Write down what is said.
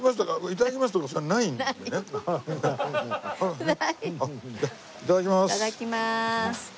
いただきます。